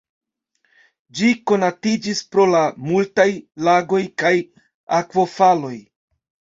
Ĝi konatiĝis pro la multaj lagoj kaj akvofaloj.